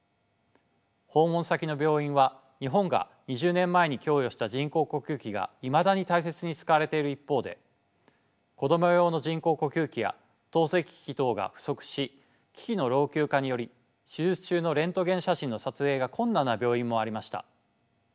訪問先の病院は日本が２０年前に供与した人工呼吸器がいまだに大切に使われている一方で子供用の人工呼吸器や透析機器等が不足し機器の老朽化により手術中のレントゲン写真の撮影が困難な病院もありました。